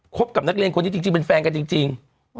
คบกับนักเรียนคนที่จริงจริงเป็นแฟนกันจริงจริง